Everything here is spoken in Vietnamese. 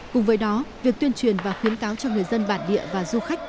cùng với đó việc tuyên truyền và khuyến cáo cho người dân bản địa và du khách